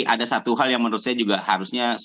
ada satu hal yang menurut saya juga harusnya